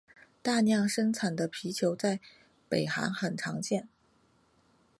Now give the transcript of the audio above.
大量生产的啤酒在北韩很常见。